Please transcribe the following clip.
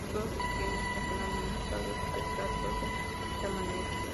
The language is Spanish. No todos los bienes nacionalizados se trató de esta manera.